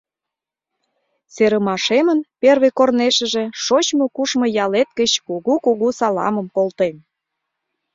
«Серымашемын первый корнешыже шочмо-кушмо ялет гыч кугу-кугу саламым колтем!